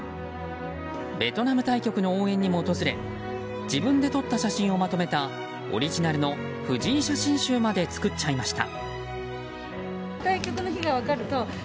ベトナム対局の応援にも訪れ自分で撮った写真をまとめたオリジナルの藤井写真集まで作っちゃいました。